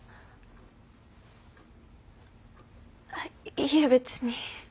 いえ別に。